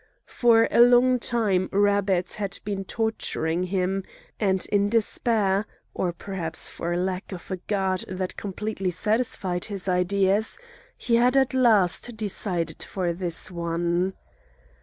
For a long time Rabbet had been torturing him, and in despair, or perhaps for lack of a god that completely satisfied his ideas, he had at last decided for this one.